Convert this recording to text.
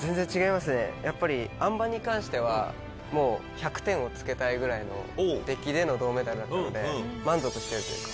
やっぱりあん馬に関しては１００点をつけたいぐらいの出来での銅メダルだったので満足してるというか。